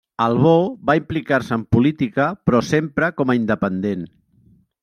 Albó va implicar-se en política però sempre com a independent.